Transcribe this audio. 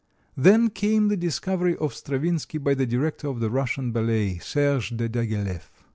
Then came the discovery of Stravinsky by the director of the Russian ballet, Serge de Diaghileff.